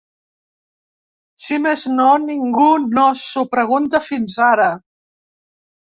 Si més no, ningú no s’ho pregunta fins ara.